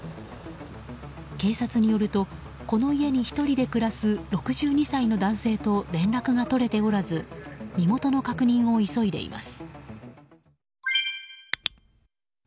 警察によると、この家に１人で暮らす６２歳の男性と連絡が取れておらず身元の確認を急いでいます。